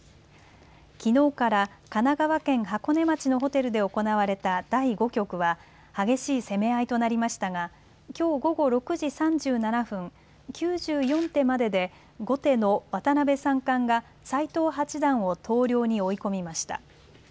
きのうから神奈川県箱根町のホテルで行われた第５局は激しい攻め合いとなりましたがきょう午後６時３７分、９４手までで後手の渡辺明三冠が斎藤八段を投了に追い込みました。